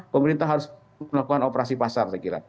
pemerintah harus melakukan operasi pasar saya kira